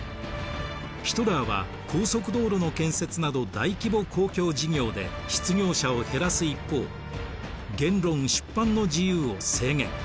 ヒトラーは高速道路の建設など大規模公共事業で失業者を減らす一方言論・出版の自由を制限。